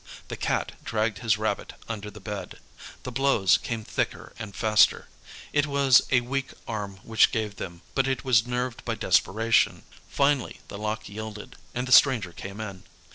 The Cat dragged his rabbit under the bed. The blows came thicker and faster. It was a weak arm which gave them, but it was nerved by desperation. Finally the lock yielded, and the stranger came in.